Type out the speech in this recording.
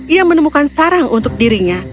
ia menemukan sarang untuk dirinya